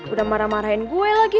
udah marah marahin gue lagi